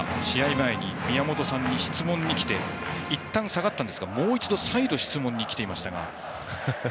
前宮本さんに質問に来ていったん下がったんですがもう一度再度質問に来ていましたが。